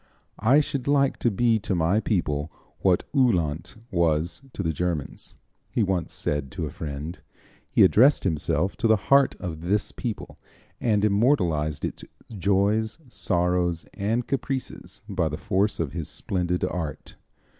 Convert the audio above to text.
"I should like to be to my people what Uhland was to the Germans," he once said to a friend. He addressed himself to the heart of this people and immortalized its joys, sorrows and caprices by the force of his splendid art.